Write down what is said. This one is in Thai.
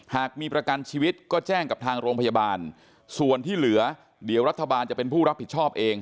หากมีประกันชีวิตก็แจ้งกับทางโรงพยาบาลส่วนที่เหลือเดี๋ยวรัฐบาลจะเป็นผู้รับผิดชอบเอง